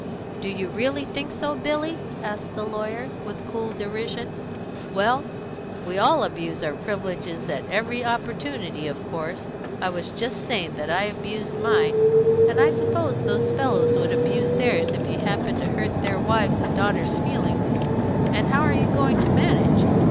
"Do you really think so, Billy?" asked the lawyer, with cool derision. "Well, we all abuse our privileges at every opportunity, of course; I was just saying that I abused mine; and I suppose those fellows would abuse theirs if you happened to hurt their wives' and daughters' feelings. And how are you going to manage?